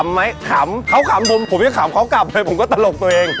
ไหมขำเขาขำผมผมจะขำเขากลับเลยผมก็ตลกตัวเอง